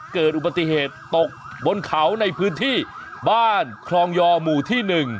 เกิดอุบัติเหตุตกบนเขาในพื้นที่บ้านคลองยอหมู่ที่๑